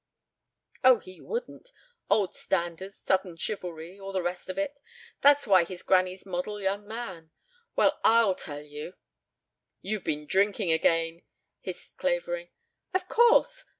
"Oh, he wouldn't. Old standards. Southern chivalry. All the rest of it. That's why he's granny's model young man. Well, I'll tell you " "You've been drinking again," hissed Clavering. "Of course.